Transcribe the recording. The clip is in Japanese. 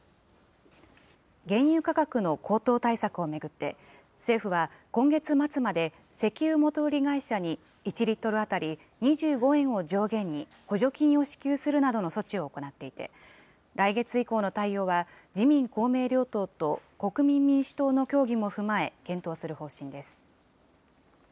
原油価格の高騰対策を巡って、政府は今月末まで石油元売り会社に１リットル当たり２５円を上限に補助金を支給するなどの措置を行っていて、来月以降の対応は、自民、公明両党と国民民主党の協議も踏まえ、検討する方針です。